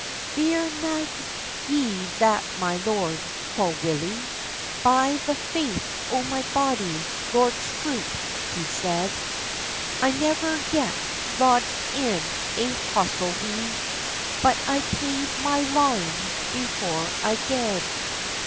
"Fear na ye that, my lord," quo Willie: "By the faith o my body, Lord Scroope," he said, "I never yet lodged in a hostelrie— But I paid my lawing before I gaed."